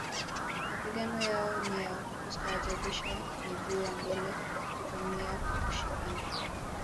Mapigano yao ni ya kustaajabisha miguu ya mbele hutumia kwa kushikana